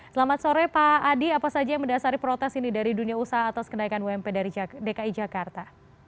selamat sore pak adi apa saja yang mendasari protes ini dari dunia usaha atas kenaikan ump dari dki jakarta